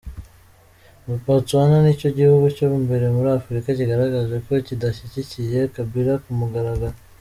Botswana nicyo gihugu cya mbere muri Afurika kigaragaje ko kidashyigikiye Kabila ku mugaragaro.